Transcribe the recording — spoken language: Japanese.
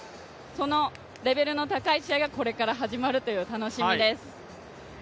そのレベルの高い試合がこれから始まるという、楽しみです。